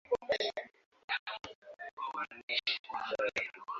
Kifo kwa ugonjwa wa mapafu hutokea tokea siku mbili baada ya dalili za awali